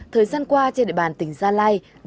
thời gian qua trên địa bàn tỉnh gia lai